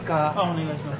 お願いします。